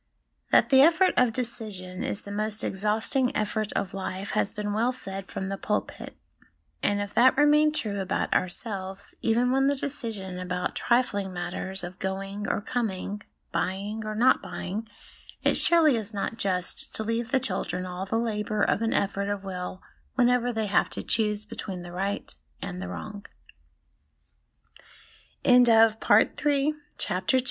That the effort of decision is the most exhausting effort of life, has been well said from the pulpit ; and if that remain true about ourselves, even when the decision is about trifling matters of going or coming, buying or not buying, it surely is not just to leave the children all the labour of an effort of will whenever they have to choose b